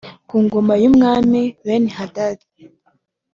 Ku ngoma y’umwami Benihadadi